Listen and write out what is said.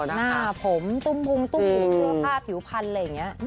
หน้าผมตุ้มพุงตุ้มเสื้อผ้าผิวพันธุ์อะไรอย่างนี้